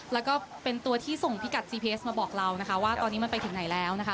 แล้วก็เป็นตัวที่ส่งพิกัดซีเพสมาบอกเรานะคะว่าตอนนี้มันไปถึงไหนแล้วนะคะ